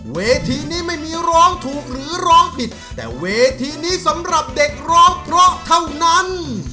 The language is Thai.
เวทีนี้ไม่มีร้องถูกหรือร้องผิดแต่เวทีนี้สำหรับเด็กร้องเพราะเท่านั้น